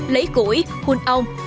lấy củi hôn ông